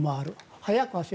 速く走る。